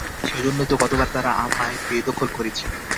সেজন্যই তো গতবার তারা আমায় বেদখল করেছিল।